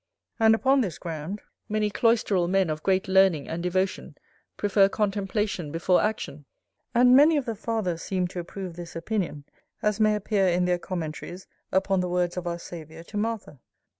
And upon this ground, many cloisteral men of great learning and devotion, prefer contemplation before action. And many of the fathers seem to approve this opinion, as may appear in their commentaries upon the words of our Saviour to Martha.